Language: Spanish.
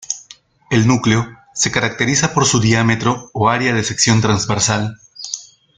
El núcleo se caracteriza por su diámetro o área de sección transversal.